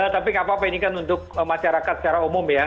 tapi gak apa apa ini kan untuk masyarakat secara umum ya